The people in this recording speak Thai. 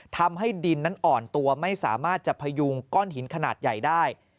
ทำให้ดินนั้นอ่อนตัวไม่สามารถจะพยุงก้อนหินขนาดใหญ่ได้